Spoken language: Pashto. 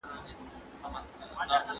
محتسب مړ وي سیوری یې نه وي